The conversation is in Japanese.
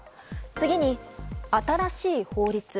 次に、新しい法律。